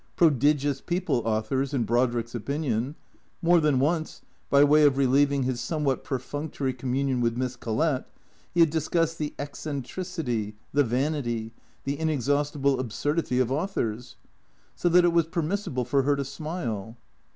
Prodigious people, authors, in Brod rick's opinion. More than once, by way of relieving his some what perfunctory communion with Miss Collett, he had discussed the eccentricity, the vanity, the inexhaustible absurdity of au thors. So that it was permissible for her to smile.